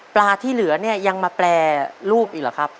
ที่เหลือเนี่ยยังมาแปรรูปอีกเหรอครับ